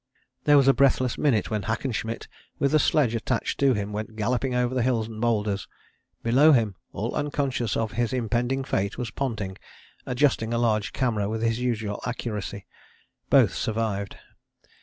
There was a breathless minute when Hackenschmidt, with a sledge attached to him, went galloping over the hills and boulders. Below him, all unconscious of his impending fate, was Ponting, adjusting a large camera with his usual accuracy. Both survived.